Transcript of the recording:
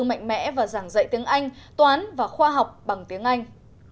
các trường công lập cũng đầu tư mạnh mẽ và giảng dạy tiếng anh toán và khoa học bằng tiếng anh